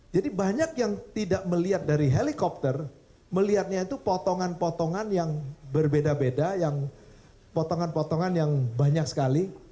banyak yang tidak melihat dari helikopter melihatnya itu potongan potongan yang berbeda beda yang potongan potongan yang banyak sekali